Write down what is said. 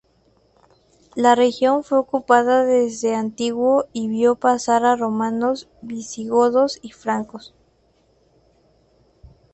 La región fue ocupada desde antiguo, y vio pasar a romanos, visigodos y francos.